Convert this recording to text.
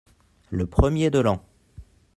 Le premier de l'an.